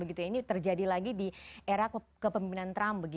ini terjadi lagi di era kepemimpinan trump